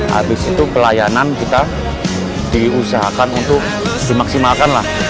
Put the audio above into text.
habis itu pelayanan kita diusahakan untuk dimaksimalkan lah